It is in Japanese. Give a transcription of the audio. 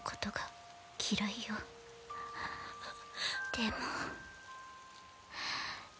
でも。